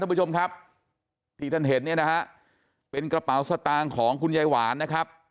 ผู้ชมครับที่ท่านเห็นเนี่ยนะฮะเป็นกระเป๋าสตางค์ของคุณยายหวานนะครับ